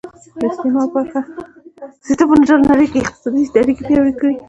د استعمار پراخه سیسټم په ټوله نړۍ کې اقتصادي اړیکې پیاوړې کړې